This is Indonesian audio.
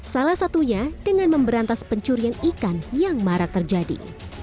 salah satunya dengan memberantas pencurian ikan yang marak terjadi